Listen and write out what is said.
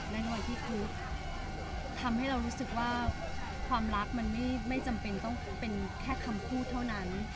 ในวันที่ครูทำให้เรารู้สึกว่าความรักมันไม่จำเป็นต้องเป็นแค่คำพูดเท่านั้น